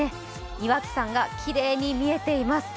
岩木山がきれいに見えています。